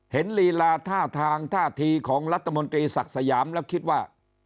ลีลาท่าทางท่าทีของรัฐมนตรีศักดิ์สยามแล้วคิดว่า